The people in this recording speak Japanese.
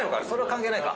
関係ないか。